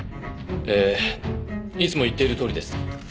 えーいつも言っているとおりです。